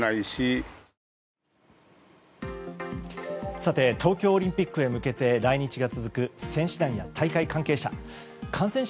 さて東京オリンピックに向けて来日が続く選手団や大会関係者。